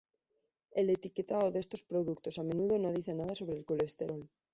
El etiquetado de estos productos a menudo no dice nada sobre el colesterol.